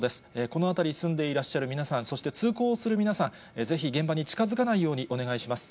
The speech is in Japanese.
この辺りに住んでいらっしゃる皆さん、そして通行する皆さん、ぜひ現場に近づかないようにお願いします。